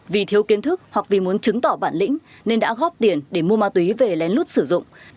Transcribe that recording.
vì thiếu kiến thức hoặc vì muốn chứng tỏ bản lĩnh nên đã góp tiền để mua ma túy về lén lút sử dụng